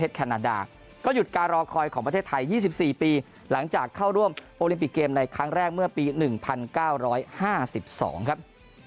สวัสดีครับ